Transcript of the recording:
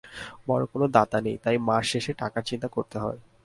বড় কোনো দাতা নেই, তাই মাস শেষে টাকার চিন্তা করতে হয়।